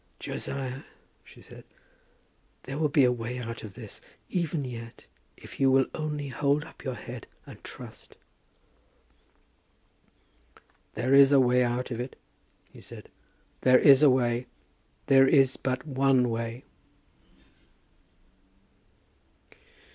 "Josiah," she said, "there will be a way out of this, even yet, if you will only hold up your head and trust." "There is a way out of it," he said. "There is a way. There is but one way."